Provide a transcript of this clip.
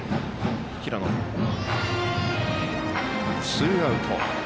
ツーアウト。